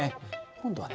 今度はね